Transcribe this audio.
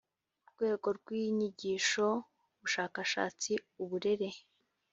rwego rw inyigisho ubushakashatsi uburere